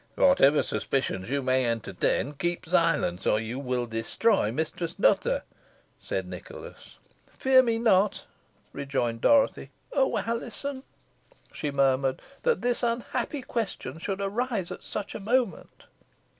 "Whatever suspicions you may entertain, keep silence, or you will destroy Mistress Nutter," said Nicholas. "Fear me not," rejoined Dorothy. "Oh, Alizon!" she murmured, "that this unhappy question should arise at such a moment."